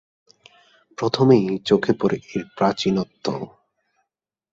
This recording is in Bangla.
প্রথমেই চোখে পড়ে এর প্রাচীনত্ব।